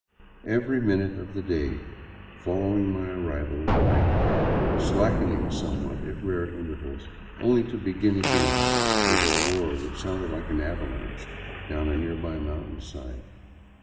Every minute of the day following my arrival it rained, slad?:ening somewhat at rare intervals, only to begin again with a roar that sounded like an avalanche down a nearby mountainside.